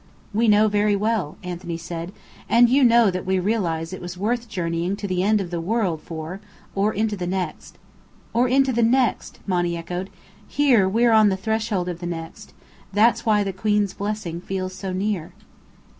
"We know very well," Anthony said, "and you know that we realize it was worth journeying to the end of the world for or into the next." "Or into the next!" Monny echoed. "Here we're on the threshold of the next. That's why the Queen's blessing feels so near."